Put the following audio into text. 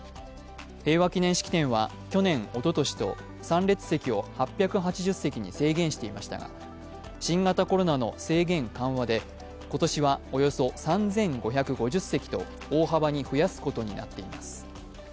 平和記念式典は去年、おととしと参列席を８８０席に制限していましたが新型コロナの制限緩和で今年はおよそ３５５０席と大幅に増やすことになっています。